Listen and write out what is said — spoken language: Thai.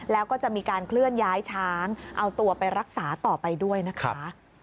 แล้วก็จะมีการเคลื่อนย้ายช้างเอาตัวไปรักษาต่อไปด้วยนะคะ